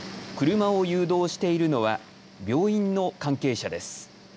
車を誘導しているのは病院の関係者です。